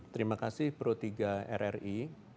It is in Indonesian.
terima kasih prof rri